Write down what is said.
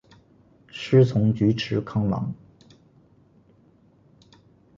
师从菊池康郎。